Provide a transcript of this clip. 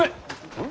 うん？